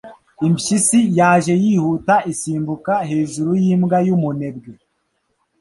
Impyisi yaje yihuta isimbuka hejuru yimbwa yumunebwe.